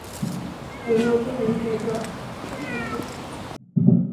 院名又著名学者袁行霈题写。